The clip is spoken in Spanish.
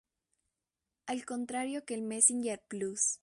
Al contrario que el Messenger Plus!